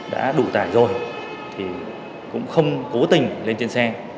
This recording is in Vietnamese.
đã đủ tải rồi thì cũng không cố tình lên trên xe